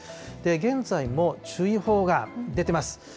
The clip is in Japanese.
現在も注意報が出てます。